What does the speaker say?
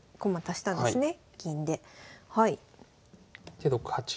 で６八銀。